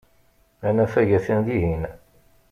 Anafag atan dihin.